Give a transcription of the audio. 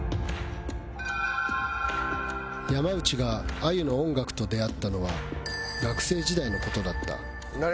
山内があゆの音楽と出会ったのは学生時代の事だった